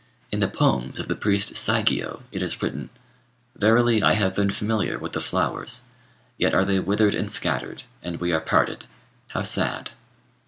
In the poems of the priest Saigiyo it is written, 'Verily I have been familiar with the flowers; yet are they withered and scattered, and we are parted. How sad!'